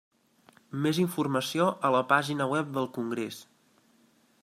Més informació a la pàgina web del congrés.